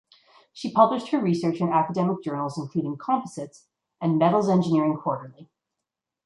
She published her research in academic journals including "Composites" and "Metals Engineering" "Quarterly".